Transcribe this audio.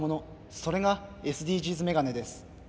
それがＳＤＧｓメガネです。